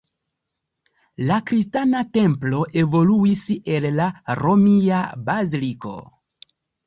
La kristana templo evoluis el la romia baziliko.